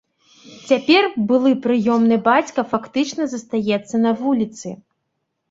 Цяпер былы прыёмны бацька фактычна застаецца на вуліцы.